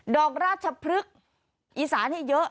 ดอกราชพลึกอีสานที่เยอะ